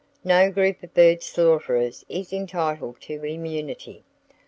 No group of bird slaughterers is entitled to immunity.